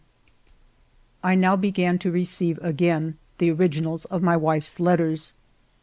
I now began to receive again the originals of my wife's letters.